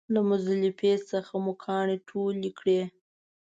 له مزدلفې څخه مو کاڼي ټول کړل.